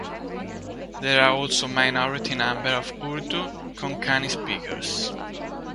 There are also minority number of Urdu, Konkani speakers.